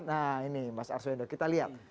nah ini mas arswendo kita lihat